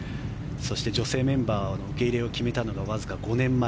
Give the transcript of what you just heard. そして女性メンバーの受け入れを決めたのもわずか５年前。